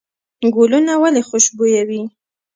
ګلونه ولې خوشبویه وي؟